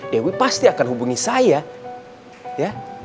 dewi pasti akan hubungi saya ya